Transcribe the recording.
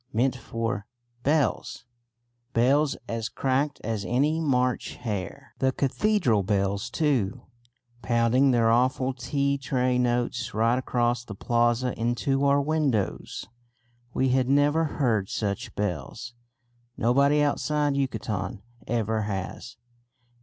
meant for bells; bells as cracked as any March hare; the cathedral bells too, pounding their awful tea tray notes right across the plaza into our windows. We had never heard such bells; nobody outside Yucatan ever has.